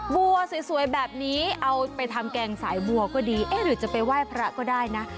บัวสวยแบบนี้เอาไปทำแกงสายบัวก็ดีเอ๊ะหรือจะไปไหว้พระก็ได้นะ